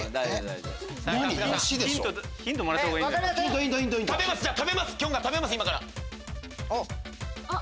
ヒントもらったほうがいい。